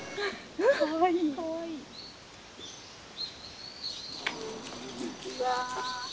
こんにちは。